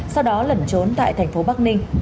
sau đó lẩn trốn tại thành phố bắc ninh